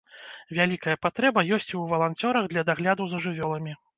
Вялікая патрэба ёсць і ў валанцёрах для дагляду за жывёламі.